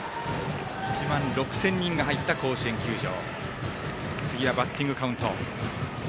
１万６０００人が入った甲子園球場。